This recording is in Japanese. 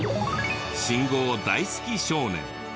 信号大好き少年。